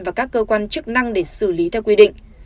và các cơ quan chức năng để xử lý theo quy định